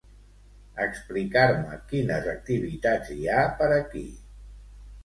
Explicar-me quines activitats hi ha per aquí.